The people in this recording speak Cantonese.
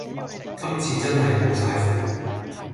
今次真係無晒符